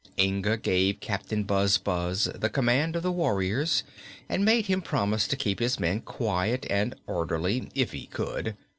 Inga gave Captain Buzzub the command of the warriors and made him promise to keep his men quiet and orderly if he could.